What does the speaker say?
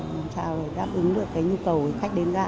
để giáp ứng được nhu cầu khách đến gã